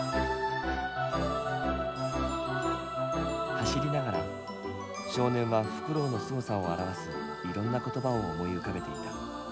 走りながら少年はフクロウのすごさを表すいろんな言葉を思い浮かべていた。